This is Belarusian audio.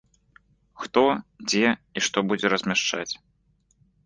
Хто, дзе і што будзе размяшчаць.